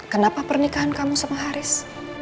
kenapa pernikahan kamu sama haris